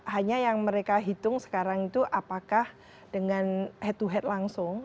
hanya yang mereka hitung sekarang itu apakah dengan head to head langsung